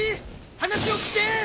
話を聞け！